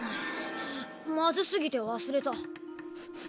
まずすぎて忘れた。